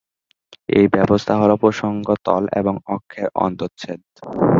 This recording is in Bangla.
এই ব্যবস্থা হল প্রসঙ্গ তল এবং অক্ষের অন্তচ্ছেদ।